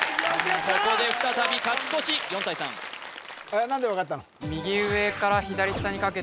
ここで再び勝ち越し４対３何で分かったの？